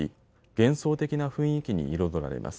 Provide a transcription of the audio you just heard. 幻想的な雰囲気に彩られます。